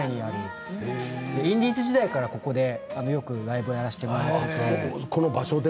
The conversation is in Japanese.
インディーズ時代からここでライブをやらせてもらっていたので。